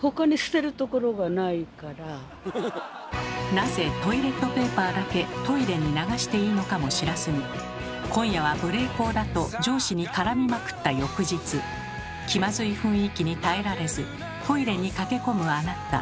なぜトイレットペーパーだけトイレに流していいのかも知らずに今夜は無礼講だと上司に絡みまくった翌日気まずい雰囲気に耐えられずトイレに駆け込むあなた。